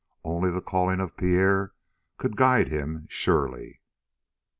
Only the calling of Pierre could guide him surely.